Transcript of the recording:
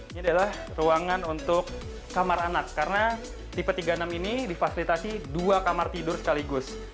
ini adalah ruangan untuk kamar anak karena tipe tiga puluh enam ini difasilitasi dua kamar tidur sekaligus